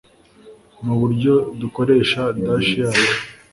nuburyo dukoresha dash yacu